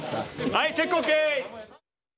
はいチェックＯＫ！